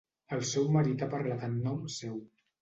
El seu marit ha parlat en nom seu.